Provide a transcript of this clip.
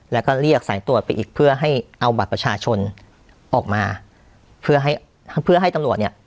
แล้วก็เรียกสายตรวจไปอีกเพื่อให้เอาบัตรประชาชนออกมาเพื่อให้เพื่อให้ตำรวจเนี่ย